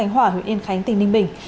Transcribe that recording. huyện yên khánh tỉnh ninh bình